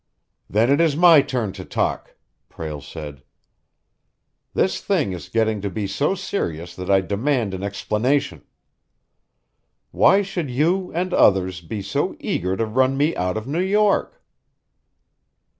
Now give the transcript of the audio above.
"Then it is my turn to talk!" Prale said. "This thing is getting to be so serious that I demand an explanation. Why should you, and others, be so eager to run me out of New York?"